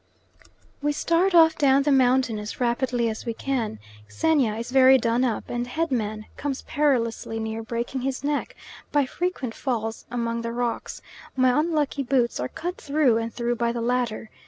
We start off down the mountain as rapidly as we can. Xenia is very done up, and Head man comes perilously near breaking his neck by frequent falls among the rocks; my unlucky boots are cut through and through by the latter.